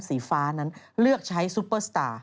สีฟ้านั้นเลือกใช้ซุปเปอร์สตาร์